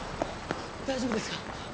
大丈夫ですか？